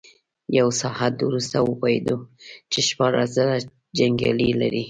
يو ساعت وروسته وپوهېد چې شپاړس زره جنيګالي لري.